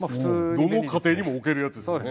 どの家庭にも置けるやつですよね。